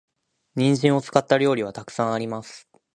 人参を使った料理は沢山あります。